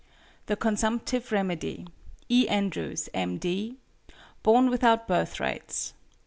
THE CONSUMPTIVE REMEDY. E. ANDREWS, M. D. BORN WITHOUT BIRTHRIGHTS.